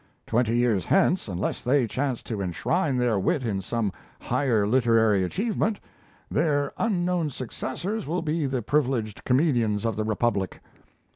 Twenty years hence, unless they chance to enshrine their wit in some higher literary achievement, their unknown successors will be the privileged comedians of the republic.